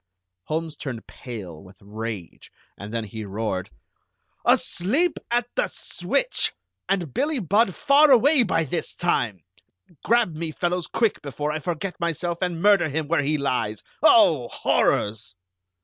Holmes turned pale with rage, and then he roared: "Asleep at the switch! And Billie Budd far away by this time! Grab me, fellows, quick, before I forget myself and murder him where he lies! Oh, horrors!"